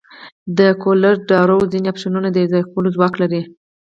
د کولر ډراو ځینې افشنونه د یوځای کولو ځواک لري.